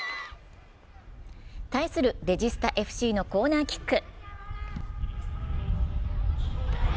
対するレジスタＦＣのコーナーキック。